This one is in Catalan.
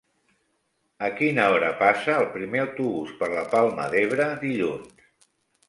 A quina hora passa el primer autobús per la Palma d'Ebre dilluns?